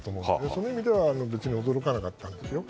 その意味では別に驚かなかったんですよ。